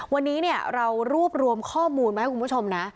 วันนี้เรารวบรวมข้อมูลมาให้คุณผู้ชมนะ